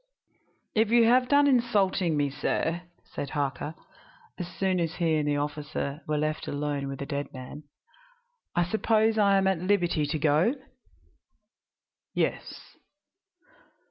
"If you have done insulting me, sir," said Harker, as soon as he and the officer were left alone with the dead man, "I suppose I am at liberty to go?" "Yes."